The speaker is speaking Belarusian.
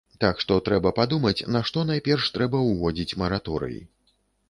Так што трэба падумаць, на што найперш трэба ўводзіць мараторый.